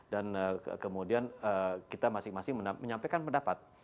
dan kemudian kita masing masing menyampaikan pendapat